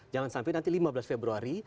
jangan sampai nanti lima belas februari